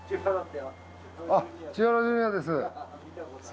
あっ千原ジュニアです。